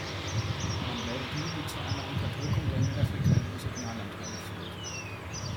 Man wählt die, die zu einer Unterdrückung der niederfrequenten Signalanteile führt.